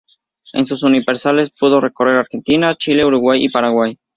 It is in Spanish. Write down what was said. Con sus unipersonales pudo recorrer Argentina, Chile, Uruguay y Paraguay.